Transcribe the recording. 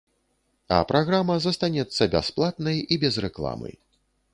А праграма застанецца бясплатнай і без рэкламы.